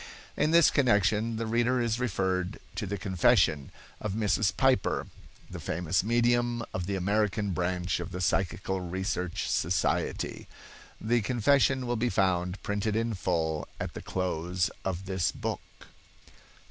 In this connection the reader is referred to the confession of Mrs. Piper, the famous medium of the American branch of the Psychical Research Society. The confession will be found printed in full at the close of this book.